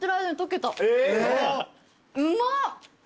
うまっ！